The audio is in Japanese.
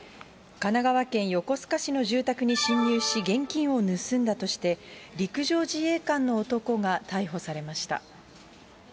神奈川県横須賀市の住宅に侵入し、現金を盗んだとして、陸上自衛官の男が逮捕されました。